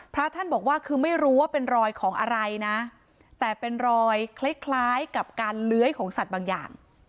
พระท่านบอกว่าคือไม่รู้ว่าเป็นรอยของอะไรนะแต่เป็นรอยคล้ายคล้ายกับการเลื้อยของสัตว์บางอย่าง